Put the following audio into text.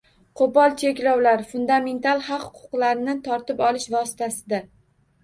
Qo‘pol cheklovlar — fundamental haq-huquqlarni tortib olish vositasida